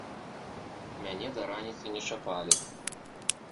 Мяне да раніцы не чапалі.